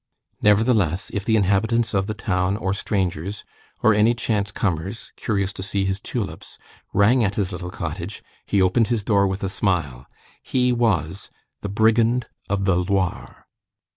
Nevertheless, if the inhabitants of the town, or strangers, or any chance comers, curious to see his tulips, rang at his little cottage, he opened his door with a smile. He was the "brigand of the Loire."